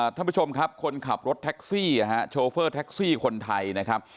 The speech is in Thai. ท่านผู้ชมครับคนขับรถแท็กซี่โชเฟอร์แท็กซี่คนไทยนะครับ